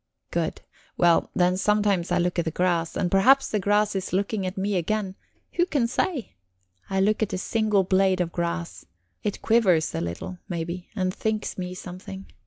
"Good. Well, then sometimes I look at the grass, and perhaps the grass is looking at me again who can say? I look at a single blade of grass; it quivers a little, maybe, and thinks me something.